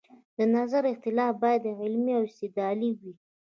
د نظر اختلاف باید علمي او استدلالي وي